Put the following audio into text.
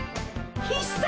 必殺！